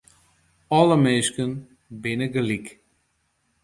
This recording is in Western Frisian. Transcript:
Alle minsken binne gelyk.